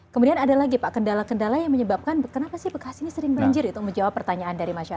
kemudian ada lagi pak kendala kendala yang menyebabkan kenapa sih bekas ini sering banjir itu menjawab pertanyaan dari masyarakat